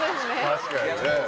確かにね。